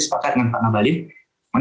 sepakat dengan pak mabalil